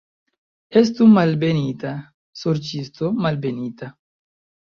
Estu malbenita, sorĉisto, malbenita.